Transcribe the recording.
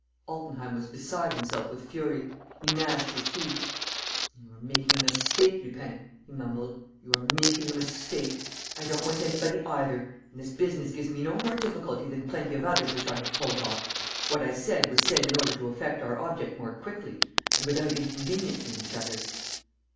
Altenheim was beside himself with fury. He gnashed his teeth: "You are making a mistake, Lupin," he mumbled, "you are making a mistake. ... I don't want anybody either; and this business gives me no more difficulty than plenty of others which I have pulled off. ... What I said was said in order to effect our object more quickly and without inconveniencing each other."